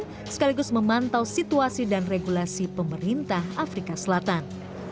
dan sekaligus memantau situasi dan regulasi pemerintah afrika selatan